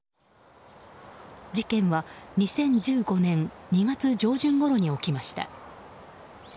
事件は２０１５年２月上旬ごろに起きました。